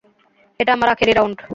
এটা আমার আখেরি রাউন্ড!